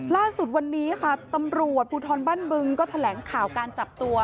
ล่าสุดวันนี้ค่ะตำรวจภูทรบ้านบึงก็แถลงข่าวการจับตัว